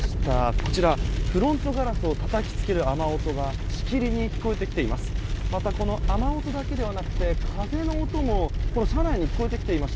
こちら、フロントガラスをたたきつける雨音がしきりに聞こえてきています。